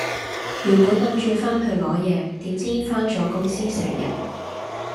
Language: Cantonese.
原本諗住返去攞嘢，點知返咗公司成日